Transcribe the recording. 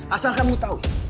asal kamu tau